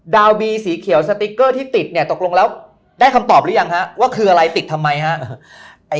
บีสีเขียวสติ๊กเกอร์ที่ติดเนี่ยตกลงแล้วได้คำตอบหรือยังฮะว่าคืออะไรติดทำไมฮะ